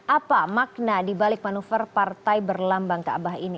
apa makna di balik manuver partai berlambang keabah ini